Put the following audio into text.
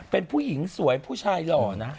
เป็นผู้หญิงสวยผู้ชายหล่อนะ